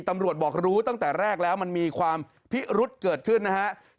ตำรวจบอกรู้ตั้งแต่แรกแล้วมันมีความพิรุษเกิดขึ้นนะครับ